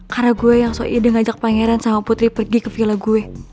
karena gue yang so ide ngajak pangeran sama putri pergi ke villa gue